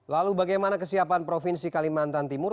lalu bagaimana kesiapan provinsi kalimantan timur